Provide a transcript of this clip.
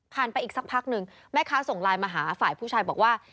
ไปอีกสักพักหนึ่งแม่ค้าส่งไลน์มาหาฝ่ายผู้ชายบอกว่า